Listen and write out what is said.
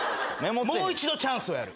もう一度チャンスをやる。